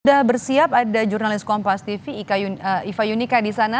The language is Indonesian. sudah bersiap ada jurnalis kompas tv iva yunika di sana